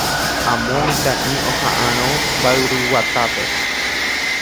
Amo mitã'i oha'ãrõ mba'yruguatápe.